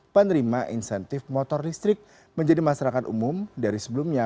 penerima insentif motor listrik menjadi masyarakat umum dari sebelumnya